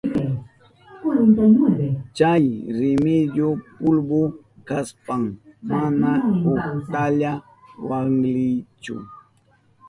Chay rimillu pulbu kashpan mana utkalla waklinchu.